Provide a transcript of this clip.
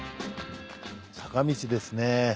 坂道ですね。